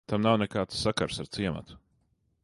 Tam nav nekāds sakars ar ciematu.